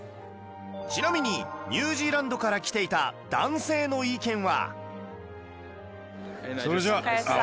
ちなみにニュージーランドから来ていた男性の意見は？